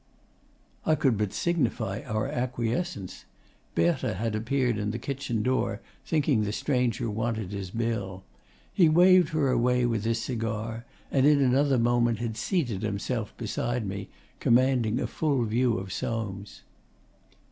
I could but signify our acquiescence. Berthe had appeared at the kitchen door, thinking the stranger wanted his bill. He waved her away with his cigar, and in another moment had seated himself beside me, commanding a full view of Soames.